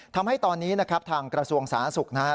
ทำให้ตอนนี้นะครับทางกระทรวงสาธารณสุขนะครับ